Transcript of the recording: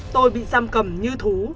tôi bị giam cầm như thú